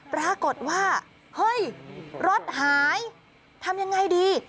ปรากฏว่าเฮ้ยรถหายทำยังไงดี